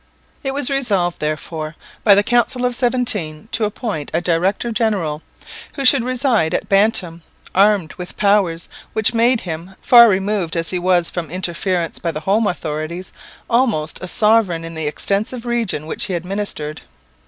It was resolved, therefore, by the Council of Seventeen to appoint a director general, who should reside at Bantam, armed with powers which made him, far removed as he was from interference by the home authorities, almost a sovereign in the extensive region which he administered.